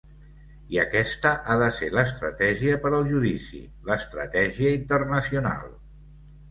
I aquesta ha de ser l’estratègia per al judici, l’estratègia internacional.